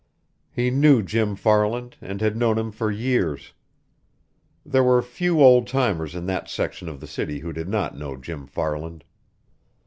He knew Jim Farland and had known him for years. There were few old timers in that section of the city who did not know Jim Farland.